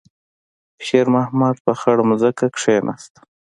شېرمحمد په خړه ځمکه کېناست.